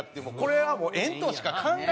これは。